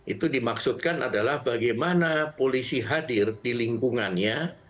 itu dimaksudkan adalah bagaimana polisi hadir di lingkungannya